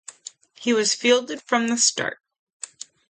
He was fielded from the start.